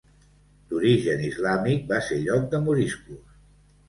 D'origen islàmic, va ser lloc de moriscos.